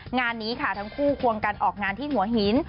งานนี้ค่ะทั้งคู่ควงกันออกงานที่หัวหิน